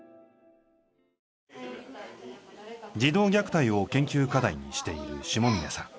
児童虐待を研究課題にしている下峰さん。